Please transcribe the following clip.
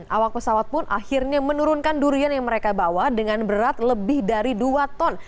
awak pesawat pun akhirnya menurunkan durian yang mereka bawa dengan berat lebih dari dua ton